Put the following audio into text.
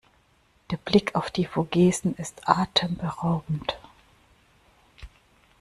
Der Blick auf die Vogesen ist atemberaubend.